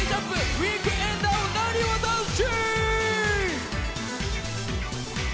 「ウィークエンダー」をなにわ男子！